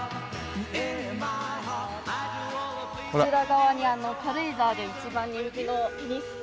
こちら側に軽井沢で一番人気のテニスコートが。